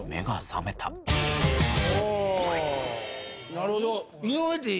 なるほど。